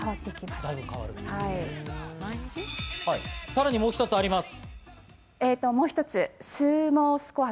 さらにもう一つあります。